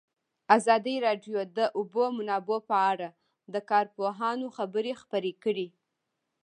ازادي راډیو د د اوبو منابع په اړه د کارپوهانو خبرې خپرې کړي.